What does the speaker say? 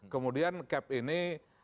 kemudian cap ini